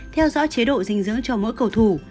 theo dõi chế độ dinh dưỡng cho mỗi cầu thủ